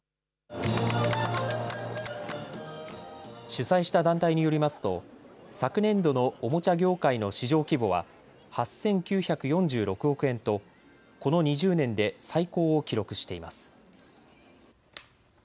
主催した団体によりますと昨年度のおもちゃ業界の市場規模は８９４６億円とこの２０年で最高を記録しています。